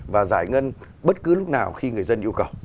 và giải ngân bất cứ lúc nào khi người dân yêu cầu